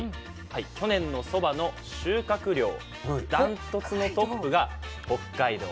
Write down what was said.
去年のそばの収穫量断トツのトップが北海道なんですね。